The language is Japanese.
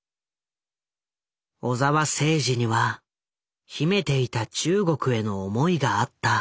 小澤征爾には秘めていた中国への思いがあった。